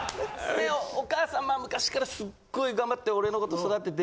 お母さん昔からすっごい頑張って俺のこと育てて。